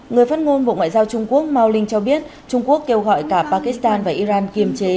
người phát ngôn bộ ngoại giao trung quốc mao linh cho biết trung quốc kêu gọi cả pakistan và iran kiềm chế